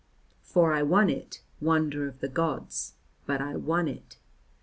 For I won it, wonder of the gods, but I won it.